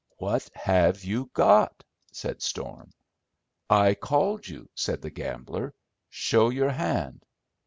"What have you got?" said Storm. "I called you," said the gambler, "show your hand."